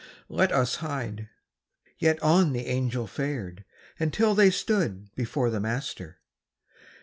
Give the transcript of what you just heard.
Let us hide.' Yet on the Angel fared, until they stood Before the Master.